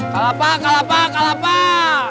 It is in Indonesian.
kalapak kalapak kalapak